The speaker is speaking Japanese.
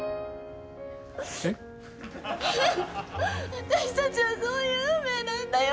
私たちはそういう運命なんだよ。